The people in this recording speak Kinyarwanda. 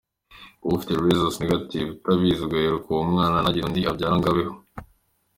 Kuba ufite rhesus negative utabizi ugaheruka uwo mwana ntazagire undi abyara ngo abeho.